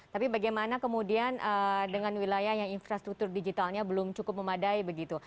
tapi bagaimana kemudian dengan wilayah yang infrastruktur digitalnya belum cukup memadai begitu